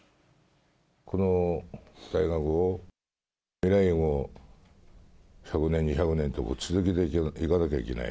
この大学を未来永ごう、１００年、２００年と続けていかなきゃいけない。